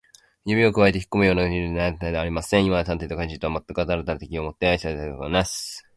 指をくわえてひっこむようないくじのない明智探偵ではありません。今や探偵と怪人とは、まったく新たな敵意をもって相対することになったのです。